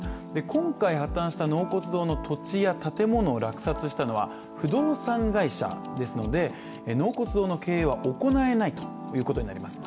今回破綻した納骨堂の土地や建物を落札したのは不動産会社ですので納骨堂の経営は行えないということになります。